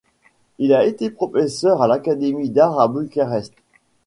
Il a été professeur à l'académie d'art à Bucarest.